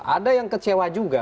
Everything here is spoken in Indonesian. ada yang kecewa juga